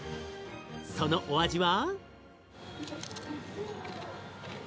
そのお味は。